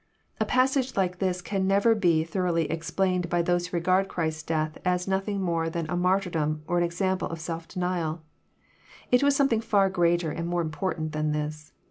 A passage like this can never be thor oughly explained by those who regard Christ's death as nothing more than a martyrdom or an example of self denial. It was something far greater and more important than this.